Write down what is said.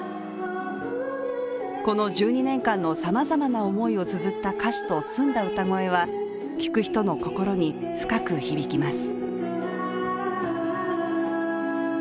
この１２年間のさまざまな思いをつづった歌詞と澄んだ歌声は聴く人の心に深く響きます。